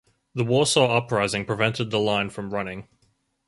The Warsaw Uprising prevented the line from running.